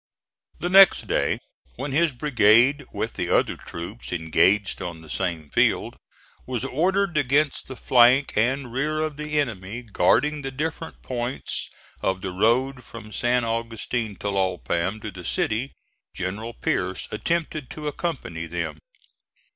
The next day, when his brigade, with the other troops engaged on the same field, was ordered against the flank and rear of the enemy guarding the different points of the road from San Augustin Tlalpam to the city, General Pierce attempted to accompany them.